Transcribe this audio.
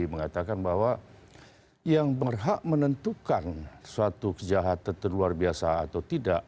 mengatakan bahwa yang berhak menentukan suatu kejahatan terluarga atau tidak